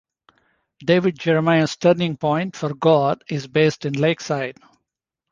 David Jeremiah's Turning Point for God is based in Lakeside.